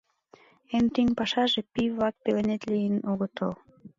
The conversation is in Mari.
— Эн тӱҥ пашаже — пий-влак пеленет лийын огытыл.